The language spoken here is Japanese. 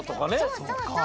そうそうそう。